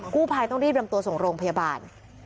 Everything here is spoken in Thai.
กู้ภัยต้องรีบนำตัวส่งโรงพยาบาล